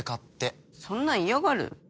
そんな嫌がる？